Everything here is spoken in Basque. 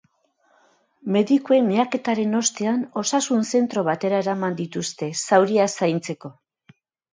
Medikuen miaketaren ostean osasun-zentro batera eraman dituzte zauriak zaintzeko.